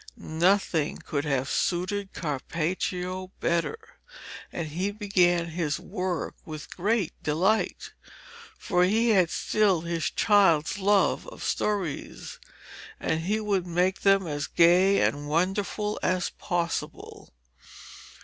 Nothing could have suited Carpaccio better, and he began his work with great delight, for he had still his child's love of stories, and he would make them as gay and wonderful as possible.